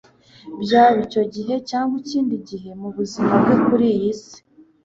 Byaba icyo gihe cyangwa ikindi gihe mu buzima bwe kuri iyi si,